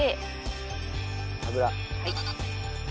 はい。